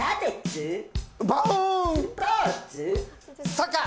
サッカー。